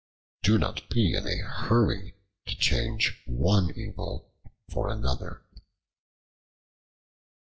Do not be in a hurry to change one evil for another.